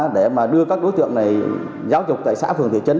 để mà đưa các đối tượng này giáo dục tại xã phường thị trấn